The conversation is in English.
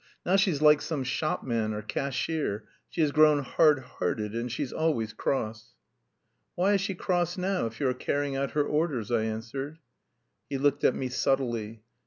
Now she's like some shopman or cashier, she has grown hard hearted, and she's always cross...." "Why is she cross now if you are carrying out her orders?" I answered. He looked at me subtly.